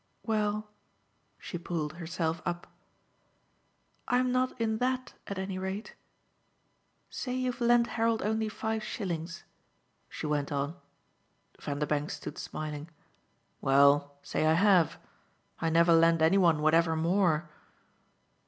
Well" she pulled herself up "I'm not in THAT at any rate. Say you've lent Harold only five shillings," she went on. Vanderbank stood smiling. "Well, say I have. I never lend any one whatever more."